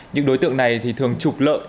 những đối tượng này thường trục lợi